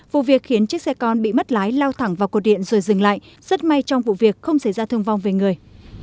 vụ việc khiến chiếc xe con bị mất lái lao thẳng vào cột điện rồi dừng lại rất may trong vụ việc không xảy ra thương vong về người